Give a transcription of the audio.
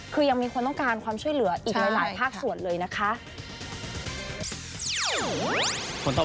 คือยังมีคนต้องการความช่วยเหลืออีกหลายภาคส่วนเลยนะคะ